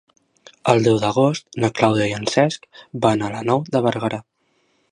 El deu d'agost na Clàudia i en Cesc van a la Nou de Berguedà.